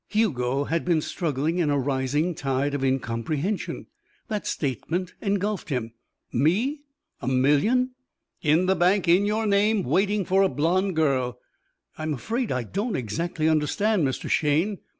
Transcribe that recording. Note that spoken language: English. Hugo had been struggling in a rising tide of incomprehension; that statement engulfed him. "Me? A million?" "In the bank in your name waiting for a blonde girl." "I'm afraid I don't exactly understand, Mr. Shayne."